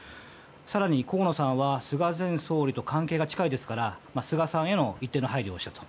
更に、河野さんは菅前総理と関係が近いですから菅さんへの一定の配慮をしたと。